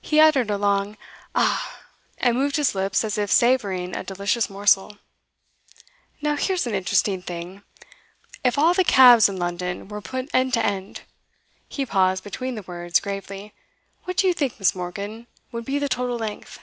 He uttered a long 'Ah!' and moved his lips as if savouring a delicious morsel. 'Now here's an interesting thing. If all the cabs in London were put end to end,' he paused between the words, gravely, 'what do you think, Miss. Morgan, would be the total length?